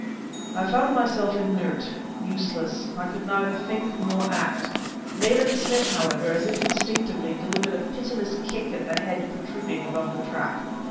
I found myself inert, useless; I could neither think nor act. Nayland Smith, however, as if instinctively, delivered a pitiless kick at the head protruding above the trap.